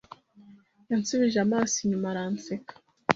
Yansubije amaso inyuma aranseka.